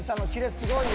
すごいよ。